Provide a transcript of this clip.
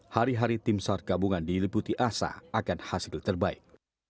hari hari tim sar gabungan diliputi asa akan hasil terbaik